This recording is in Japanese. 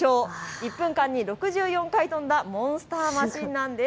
１分間に６４回跳んだモンスターマシンなんです。